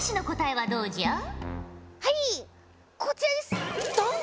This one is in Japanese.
はいこちらです。